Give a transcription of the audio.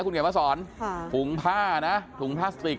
ครุ่งผ้าถุงพลาสติก